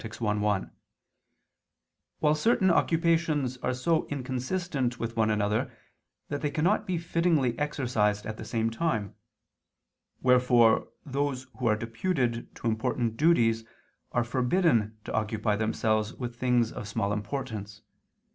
i, 1), while certain occupations are so inconsistent with one another, that they cannot be fittingly exercised at the same time; wherefore those who are deputed to important duties are forbidden to occupy themselves with things of small importance.